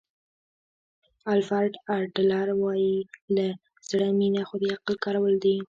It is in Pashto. الفرډ اډلر وایي له زړه مینه خو د عقل کارول دي.